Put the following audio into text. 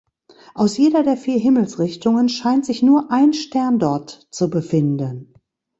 Aus jeder der vier Himmelsrichtungen scheint sich nur ein Stern dort zu befinden.